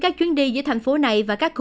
các chuyến đi giữa thành phố này